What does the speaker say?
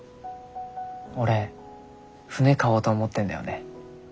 俺船買おうと思ってんだよね。